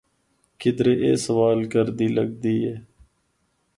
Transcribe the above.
کدرے اے سوال کردی لگدی ہے۔